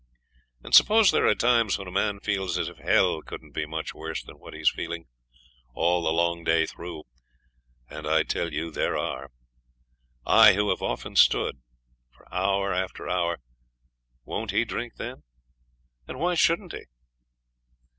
And suppose there are times when a man feels as if hell couldn't be much worse than what he's feeling all the long day through and I tell you there are I, who have often stood it hour after hour won't he drink then? And why shouldn't he?